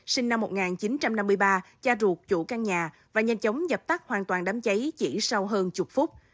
sinh năm một nghìn chín trăm năm mươi ba cha ruột chủ căn nhà và nhanh chóng dập tắt hoàn toàn đám cháy chỉ sau hơn chục phút